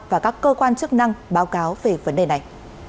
và các cơ quan chức năng báo cáo về vấn đề này